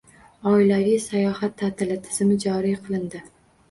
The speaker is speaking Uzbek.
«Oilaviy sayohat ta’tili» tizimi joriy qilindi